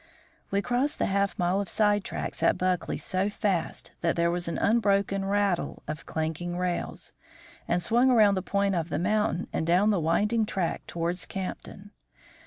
We crossed the half mile of side tracks at Buckley so fast that there was an unbroken rattle of clanking rails, and swung around the point of the mountain and down the winding track towards Campton.